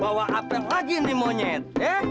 bawa apel lagi ini monyet